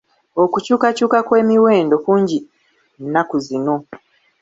Okukyukakyuka kw'emiwendo kungi nnaku zino.